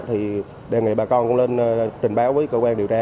thì đề nghị bà con cũng lên trình báo với cơ quan điều tra